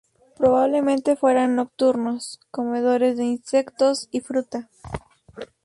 Probablemente fueran nocturnos, comedores de insectos y fruta.